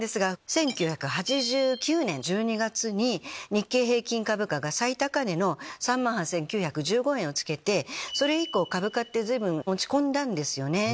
１９８９年１２月に日経平均株価が最高値の３万８９１５円を付けてそれ以降株価って随分落ち込んだんですよね。